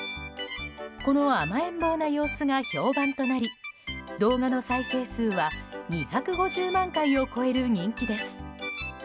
この甘えん坊な様子が評判となり動画の再生数は２５０万回を超える人気です。